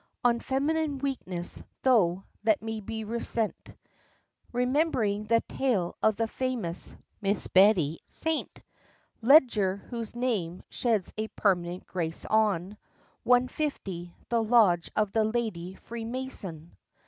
On feminine weakness, though, let me be reticent, Rememb'ring the tale of the famous Miss Betty St. Ledger, whose name sheds a permanent grace on One fifty the Lodge of the Lady Freemason.